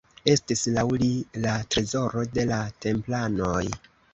Estis laŭ li la trezoro de la templanoj.